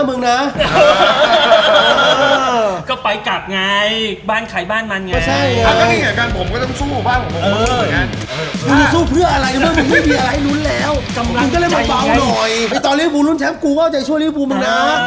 มองก็ช่วยผมเลยสิผมช่วยผมเลย